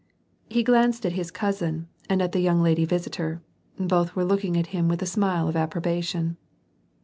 He glanced at his cousin and at the young lady visitor, both were looking at him with k smile of approbation.